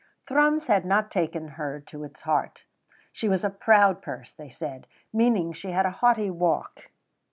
Thrums had not taken her to its heart. She was a proud purse, they said, meaning that she had a haughty walk.